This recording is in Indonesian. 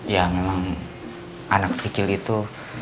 ya memang anak kecil itu